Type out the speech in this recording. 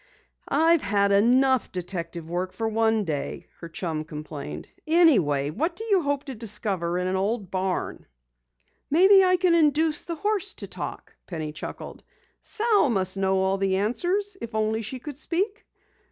"I've had enough detective work for one day," her chum complained. "Anyway, what do you hope to discover in an old barn?" "Maybe I can induce the horse to talk," Penny chuckled. "Sal must know all the answers, if only she could speak."